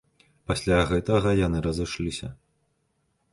Пасля гэтага яны разышліся.